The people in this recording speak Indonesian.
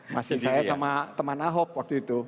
masih saya sama teman ahok waktu itu